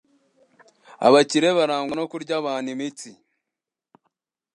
Abakire barangwa no kurya abantu imitsi.